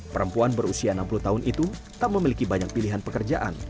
perempuan berusia enam puluh tahun itu tak memiliki banyak pilihan pekerjaan